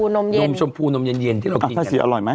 นมชมพูนมเย็นที่เรากินกันเอาสีอร่อยไหม